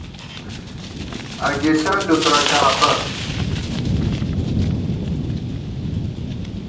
اگِݪہ لُوترہ کافَر